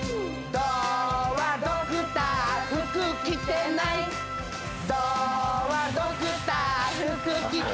「ドはドクター服着てない」嫌っ！？